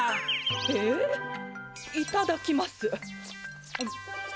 へえいただきます。